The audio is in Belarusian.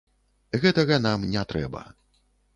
Гэтага нам не трэба.